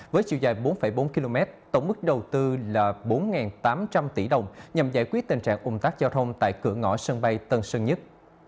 với chiều dài bốn bốn km tổng mức đầu tư là bốn tám trăm linh tỷ đồng nhằm giải quyết tình trạng ủng tắc giao thông tại cửa ngõ sân bay tân sơn nhất